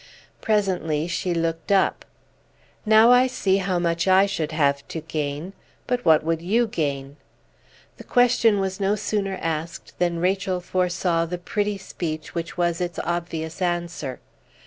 Presently she looked up. "Now I see how much I should have to gain. But what would you gain?" The question was no sooner asked than Rachel foresaw the pretty speech which was its obvious answer.